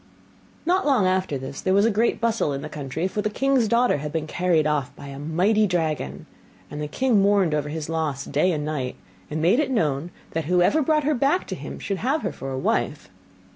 Not long after this there was a great bustle in the country; for the king's daughter had been carried off by a mighty dragon, and the king mourned over his loss day and night, and made it known that whoever brought her back to him should have her for a wife.